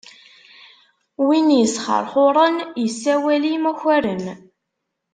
Win isxeṛxuṛen, yessawal i imakaren.